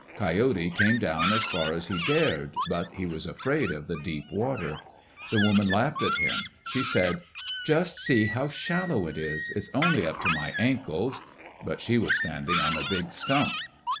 Coyote came down as far as he dared, but he was afraid of the deep water. The woman laughed at him. She said, "Just see how shallow it is. It's only up to my ankles." But she was standing on a big stump.